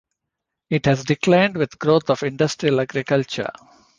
It has declined with the growth of industrial agriculture.